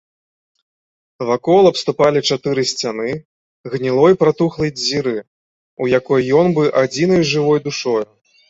Вакол абступалі чатыры сцяны гнілой пратухлай дзіры, у якой ён быў адзінай жывой душою.